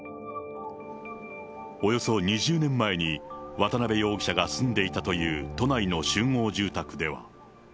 およそ２０年前に渡辺容疑者が住んでいたという都内の集合住宅では。